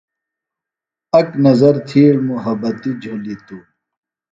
اک نظر تِھیڑ محبتی جُھلیۡ توۡ۔